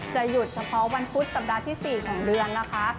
หยุดเฉพาะวันพุธสัปดาห์ที่๔ของเดือนนะคะ